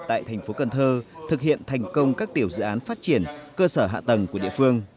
tại thành phố cần thơ thực hiện thành công các tiểu dự án phát triển cơ sở hạ tầng của địa phương